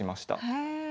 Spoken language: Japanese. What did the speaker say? へえ。